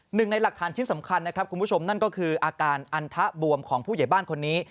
หนึ่งในหลักฐานชิ้นสำคัญนะครับคุณผู้ชมนั่นก็คืออาการอันทะบวมของผู้ใหญ่บ้านคนนี้